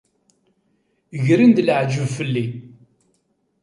Gren-d leεǧeb fell-i.